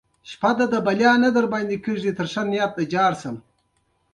د ترخو میو خوږو یارانو